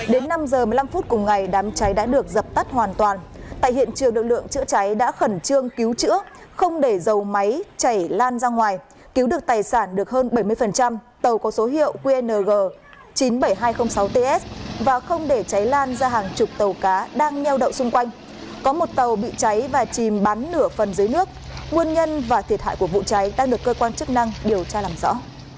đến năm giờ một mươi năm phút cùng ngày đám cháy đã được dập tắt hoàn toàn tại hiện trường lực lượng chữa cháy đã khẩn trương cứu chữa không để dầu máy chảy lan ra ngoài cứu được tài sản được hơn bảy mươi tàu có số hiệu qng chín mươi bảy nghìn hai trăm linh sáu ts và không để cháy lan ra hàng chục tàu cá đang nheo đậu xung quanh có một tàu bị cháy và chìm bắn nửa phần dưới nước nguồn nhân và thiệt hại của vụ cháy đang được cơ quan chức năng điều tra làm rõ